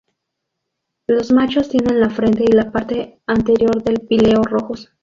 Los machos tienen la frente y la parte anterior del píleo rojos.